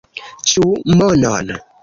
Ĉu monon?